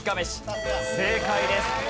正解です。